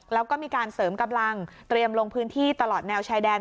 แล้วก็มีการเสริมกำลังเตรียมลงพื้นที่ตลอดแนวชายแดน